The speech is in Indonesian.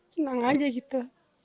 senang aja gitu